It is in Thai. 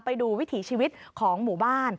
ไปดูวิถีชีวิตของหมู่บ้าน